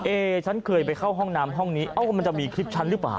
เอฉันเคยไปเข้าห้องน้ำห้องนี้มันจะมีคลิปฉันหรือเปล่า